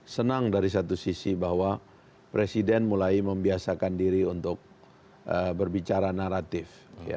senang dari satu sisi bahwa presiden mulai membiasakan diri untuk berbicara naratif